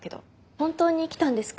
本当に来たんですか？